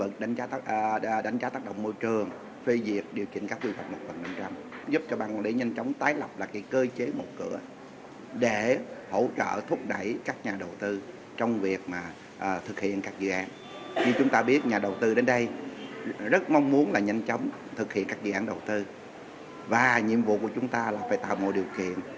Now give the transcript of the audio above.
thực hiện các dự án đầu tư và nhiệm vụ của chúng ta là phải tạo mọi điều kiện